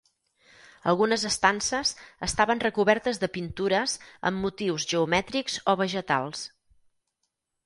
Algunes estances estaven recobertes de pintures amb motius geomètrics o vegetals.